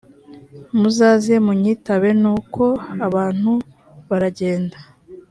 muzaze munyitabe nuko abantu baragenda